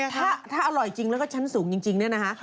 ถ้าอร่อยจริงแล้วก็ชั้นสูงจริงเนี่ยนะคะ